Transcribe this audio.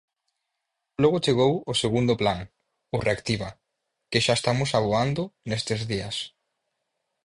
Logo chegou o segundo plan, o Reactiva, "que xa estamos aboando nestes días".